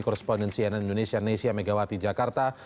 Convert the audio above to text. korrespondensi ann indonesia nesia megawati jakarta